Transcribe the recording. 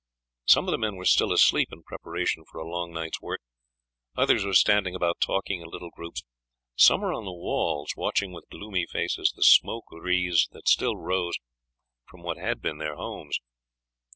Some of the men were still asleep, in preparation for a long night's work; others were standing about talking in little groups; some were on the walls watching with gloomy faces the smoke wreaths that still rose from what had been their homes.